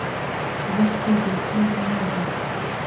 وهک تۆ دهیکهی وا نابێ